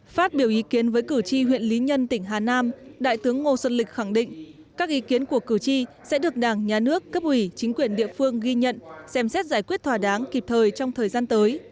phát biểu ý kiến với cử tri huyện lý nhân tỉnh hà nam đại tướng ngô xuân lịch khẳng định các ý kiến của cử tri sẽ được đảng nhà nước cấp ủy chính quyền địa phương ghi nhận xem xét giải quyết thỏa đáng kịp thời trong thời gian tới